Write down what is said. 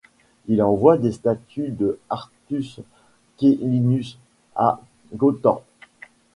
Il envoie des statues de Artus Quellinus à Gottorp.